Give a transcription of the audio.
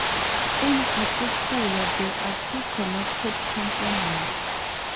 In particular, there are two connected components.